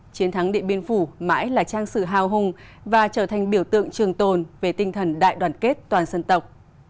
chiến thắng điện biên phủ mãi là trang sử hào hùng và trở thành biểu tượng trường tồn về tinh thần đại đoàn kết toàn dân tộc